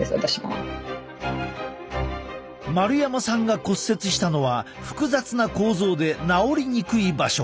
丸山さんが骨折したのは複雑な構造で治りにくい場所。